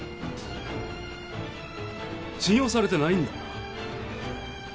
信用されてないんだな。